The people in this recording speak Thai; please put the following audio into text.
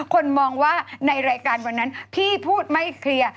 คนมองว่าในรายการวันนั้นพี่พูดไม่เคลียร์